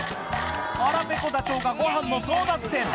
腹ぺこダチョウがごはんの争奪戦